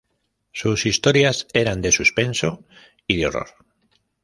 Sus historias eran de suspenso y de horror.